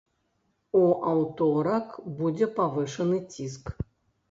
У аўторак будзе павышаны ціск.